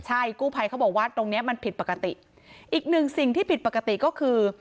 ใช่กู้ภัยเขาบอกว่าตรงเนี้ยมันผิดปกติอีกหนึ่งสิ่งที่ผิดปกติก็คือ